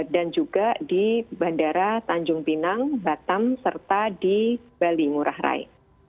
dan juga di bandara tanjung pinang batam serta di bali murah rai